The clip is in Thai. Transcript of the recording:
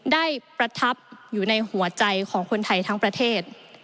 ประทับอยู่ในหัวใจของคนไทยทั้งประเทศ